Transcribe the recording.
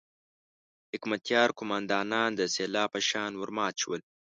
حکمتیار قوماندانان د سېلاب په شان ورمات شول.